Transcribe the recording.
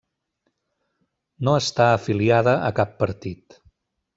No està afiliada a cap partit.